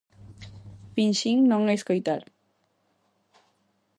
Finxín non escoitar.